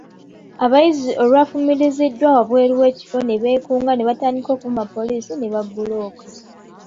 Abayizi olwafulumiziddwa ebweru w'ekifo ne beekunga ne batandika okuvuma poliisi ne babbulooka.